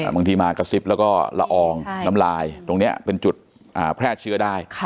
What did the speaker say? บางทีมากระซิบแล้วก็ละอองน้ำลายตรงนี้เป็นจุดแพร่เชื้อได้